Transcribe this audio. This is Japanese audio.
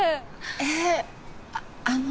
えっあの。